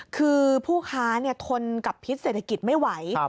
คือผู้ค้าทนกับพิษเศรษฐกิจไม่ไหว